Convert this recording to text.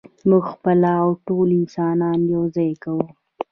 موږ خپله او ټول انسانان یو ځای کوو.